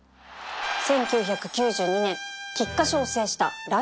１９９２年菊花賞を制した